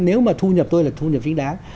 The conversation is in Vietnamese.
nếu mà thu nhập tôi là thu nhập chính đáng